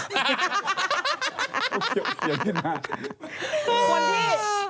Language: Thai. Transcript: โหโฮเสียไปมา